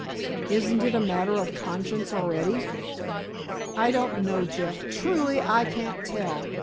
"Isn't it a matter of conscience already?" "I don't know, Jeff; truly, I can't tell.